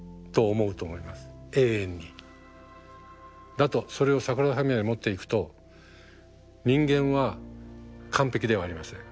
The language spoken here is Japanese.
だとそれをサグラダ・ファミリアに持っていくと人間は完璧ではありません。